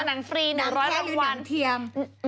หนังแพร่หรือหนังเทียม